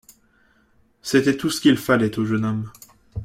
C’était tout ce qu’il fallait au jeune homme.